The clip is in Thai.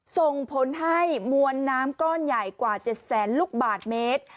ส่งผลให้มวลน้ำก้อนใหญ่กว่า๗แสนลูกบาทเมตร